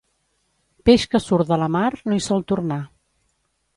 Peix que surt de la mar no hi sol tornar.